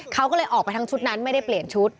เขาก็เลยออกไปทั้งชุดนั้นไม่ได้เปลี่ยนชุด